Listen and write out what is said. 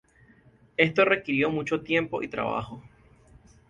Esto requirió mucho tiempo y trabajo.